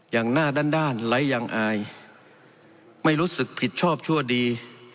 อย่างหน้าด้านด้านไร้ยังอายไม่รู้สึกผิดชอบชั่วดี